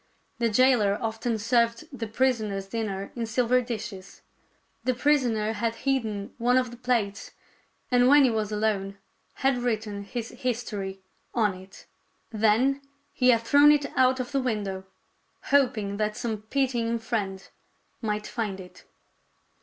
The jailer often served the prisoner's dinner in silver dishes. The prisoner had hidden one of the plates, and when he was alone had written his history on it. Then he had thrown it out of the window, hoping that some pitying friend might find it.